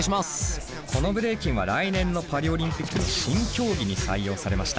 このブレイキンは来年のパリオリンピックの新競技に採用されました。